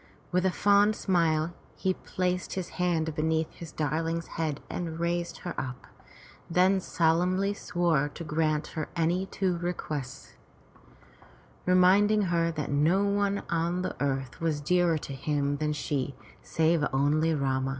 With a fond smile, he placed his hand beneath his darling's head and raised her up, then solemnly swore to grant her any two requests, reminding her that no one on the earth was dearer to him than she, save only Rama.